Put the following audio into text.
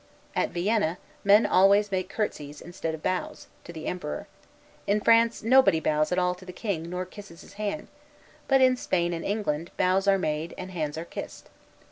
At Vienna men always make courtesies, instead of bows, to the emperor; in France nobody bows at all to the king, nor kisses his hand; but in Spain and England, bows are made, and hands are kissed.